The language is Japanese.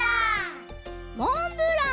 「モンブラン」。